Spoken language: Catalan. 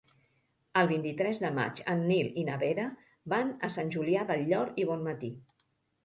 El vint-i-tres de maig en Nil i na Vera van a Sant Julià del Llor i Bonmatí.